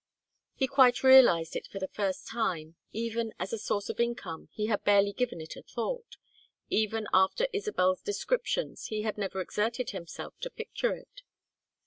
He quite realized it for the first time; even as a source of income he had barely given it a thought; even after Isabel's descriptions he had never exerted himself to picture it.